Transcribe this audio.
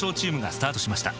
スタートしました